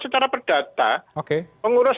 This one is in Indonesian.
secara perdata mengurus